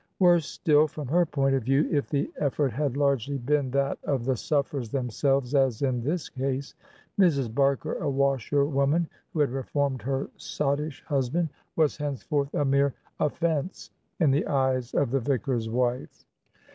Worse still, from her point of view, if the effort had largely been that of the sufferers themselvesas in this case. Mrs. Barker, a washerwoman who had reformed her sottish husband, was henceforth a mere offence in the eyes of the vicar's wife.